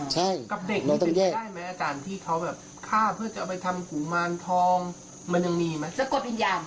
กับเด็กมันเกิดได้ไหมที่เขาฆ่าเพื่อจะเอาไปทำกูมานทองมันยังมีไหม